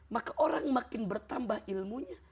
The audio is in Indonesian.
maka orang makin bertambah ilmunya